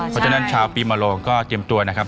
เพราะฉะนั้นชาวปีมโรงก็เตรียมตัวนะครับ